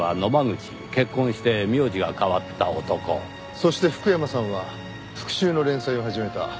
そして福山さんは復讐の連載を始めた。